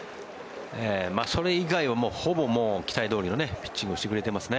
それ以外はほぼ期待どおりのピッチングをしてくれていますね。